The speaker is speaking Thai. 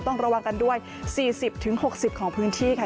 ต้องระวังกันด้วย๔๐๖๐ของพื้นที่ค่ะ